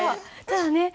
ただね